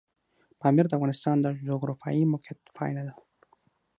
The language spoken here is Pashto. پامیر د افغانستان د جغرافیایي موقیعت پایله ده.